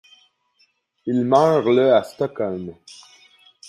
Il meurt le à Stockholm.